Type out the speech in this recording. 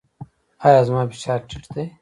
ایا زما فشار ټیټ دی؟